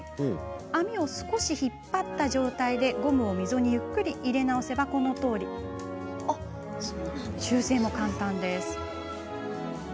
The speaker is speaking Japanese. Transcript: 網を少し引っ張った状態でゴムを溝にゆっくり入れ直せばこのとおり。修正も簡単です。